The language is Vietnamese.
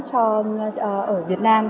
cho việt nam